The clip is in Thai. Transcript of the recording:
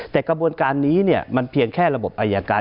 แต่กระบวนการนี้มันเพียงแค่ระบบอายการ